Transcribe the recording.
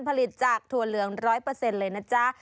ผลิตจากถั่วเหลือง๑๐๐เลยนะจ๊ะ